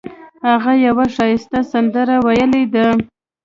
هغه یوه ښایسته سندره ویلې ده